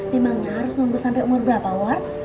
memangnya harus nunggu sampe umur berapa ward